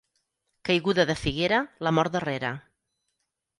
Caiguda de figuera, la mort darrere.